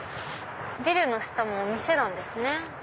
ビルの下もお店なんですね。